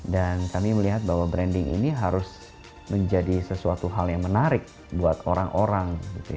dan kami melihat bahwa branding ini harus menjadi sesuatu hal yang menarik buat orang orang